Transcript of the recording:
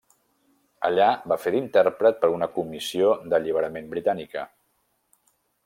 Allà va fer d'intèrpret per una comissió d'alliberament britànica.